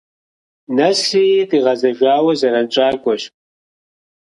Нэсри къигъэзэжауэ зэранщӀакӀуэщ.